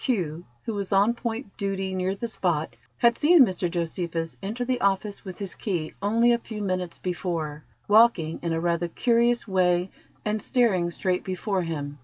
who was on point duty near the spot, had seen Mr Josephus enter the office with his key only a few minutes before, walking in a rather curious way, and staring straight before him.